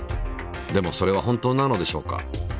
でもそれは本当なのでしょうか。